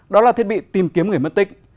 đó là thiết bị tìm kiếm người mất tích